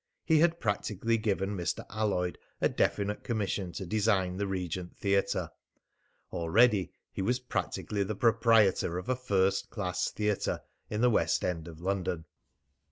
He had practically given Mr. Alloyd a definite commission to design the Regent Theatre. Already he was practically the proprietor of a first class theatre in the West End of London!